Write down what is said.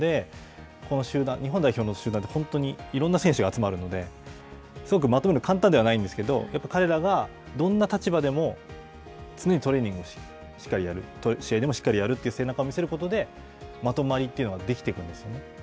この日本代表の集団って、いろんな選手が集まるので、まとめるのは簡単ではないんですけど、やっぱり彼らがどんな立場でも常にトレーニングをしっかりやるそういう姿を見せることでまとまりというのが、できてくるんですよね。